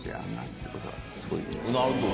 なるほど！